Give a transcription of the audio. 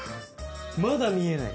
まだ見えない！